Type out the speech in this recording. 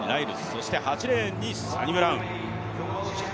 そして８レーンにサニブラウン。